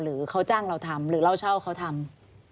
หรือเขาจ้างเราทำหรือเราเช่าเขาทำ